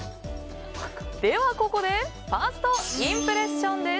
ではここでファーストインプレッションです。